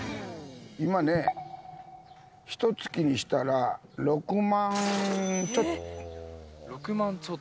今、ひと月にしたら６万ちょっと。